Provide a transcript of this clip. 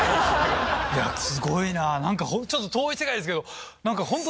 すごいな何かホントちょっと遠い世界ですけど。